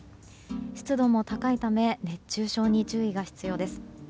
湿度も高いため熱中症に注意が必要です。